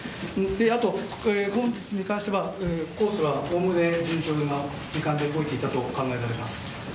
あと、本日に関してはコースはおおむね順調な時間で回っていたと考えております。